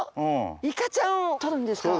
イカちゃんをとるんですか？